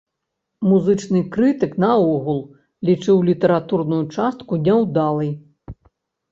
Музычны крытык наогул лічыў літаратурную частку няўдалай.